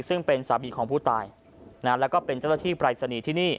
ซึ่งเป็นสาบิกของผู้ตายและเป็นเจ้าตะที่ปรายเสนีที่นี่